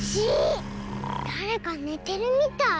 だれかねてるみたい。